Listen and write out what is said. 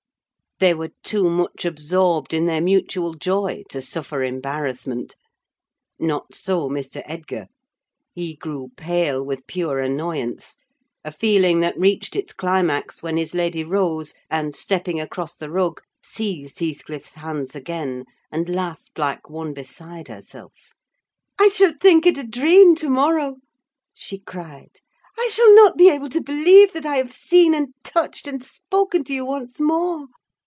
They were too much absorbed in their mutual joy to suffer embarrassment. Not so Mr. Edgar: he grew pale with pure annoyance: a feeling that reached its climax when his lady rose, and stepping across the rug, seized Heathcliff's hands again, and laughed like one beside herself. "I shall think it a dream to morrow!" she cried. "I shall not be able to believe that I have seen, and touched, and spoken to you once more.